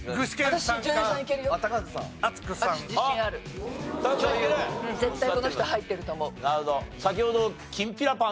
絶対この人入ってると思う。